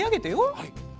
はい。